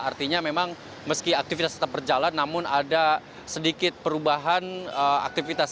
artinya memang meski aktivitas tetap berjalan namun ada sedikit perubahan aktivitas